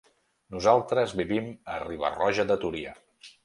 Nosaltres vivim a Riba-roja de Túria.